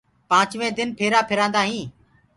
پآنچوينٚ دن ڦيرآ ڦيرآندآ هينٚ۔